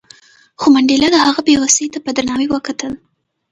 خو منډېلا د هغه بې وسۍ ته په درناوي وکتل.